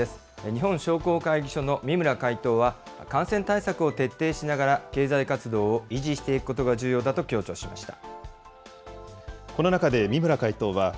日本商工会議所の三村会頭は、感染対策を徹底しながら経済活動を維持していくことが重要だと強調しました。